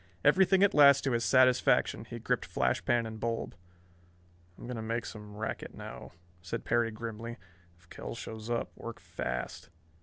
Everything at last to his satisfaction he gripped flash pan and bulb. "I'm going to make some racket now," announced Perry grimly. "If Kell shows up, work fast.